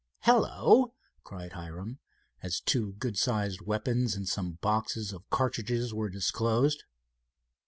"Hello," cried Hiram, as two good sized weapons and some boxes of cartridges were disclosed.